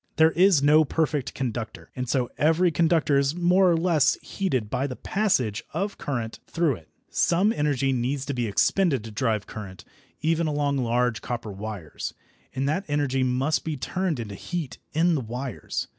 There is no perfect conductor, and so every conductor is more or less heated by the passage of current through it. Some energy needs to be expended to drive current, even along large copper wires, and that energy must be turned into heat in the wires.